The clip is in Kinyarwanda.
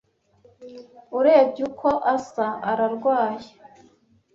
Urebye uko asa, ararwaye.